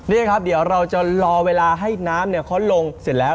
นี่ครับเดี๋ยวเราจะรอเวลาให้น้ำเขาลงเสร็จแล้ว